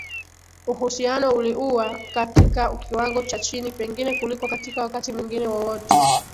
Uhusiano uliuwa katika kiwango cha chini pengine kuliko katika wakati mwingine wowote